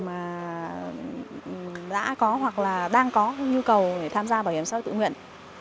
mà đã có hoặc là đang có nhu cầu để tham gia bảo hiểm xã hội tự nguyện